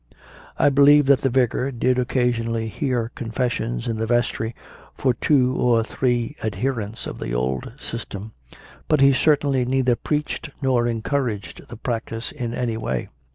I believe that the Vicar did occasionally hear confessions in the vestry from two or three adherents of the old system, but he certainly neither preached nor encouraged the practice in any way.